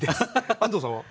安藤さんは？